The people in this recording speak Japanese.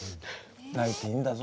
泣いていいんだぞ。